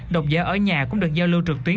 độc giả ở nhà cũng được giao lưu trực tuyến